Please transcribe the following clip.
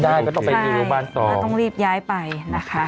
ในการงุ่มรอชักต้องรีบย้ายไปนะคะ